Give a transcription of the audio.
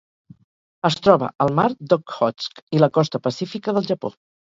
Es troba al Mar d'Okhotsk i la costa pacífica del Japó.